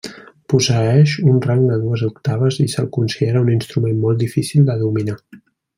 Posseeix un rang de dues octaves i se'l considera un instrument molt difícil de dominar.